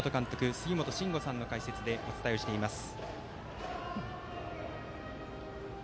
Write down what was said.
杉本真吾さんの解説でお伝えしています。